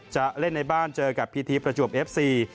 จะเล่นในบ้านเจอกับพีทีประจวบเอฟซี